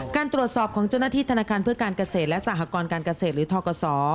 การตรวจสอบของเจ้าหน้าที่ธนาคารเพื่อการเกษตรและสหกรการเกษตรหรือทกศ